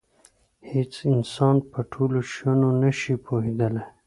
هېڅ انسان په ټولو شیانو نه شي پوهېدلی.